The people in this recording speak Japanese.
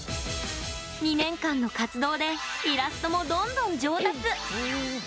２年間の活動でイラストもどんどん上達！